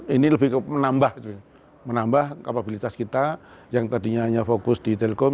ini lebih menambah kapabilitas kita yang tadinya hanya fokus di telkom